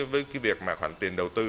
với cái việc mà khoản tiền đầu tư